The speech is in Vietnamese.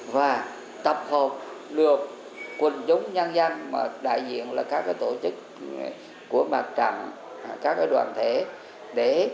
và tập hợp được quân chúng nhân dân mà đại diện là các tổ chức của mặt trận các đoàn thể để